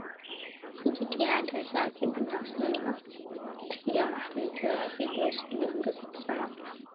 ni jitihada zake binafsi ndiyo msingi wa mafanikio yake Jose aliongeza kusema kwa